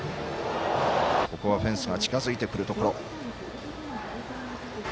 ここはフェンスが近づいてくるところ。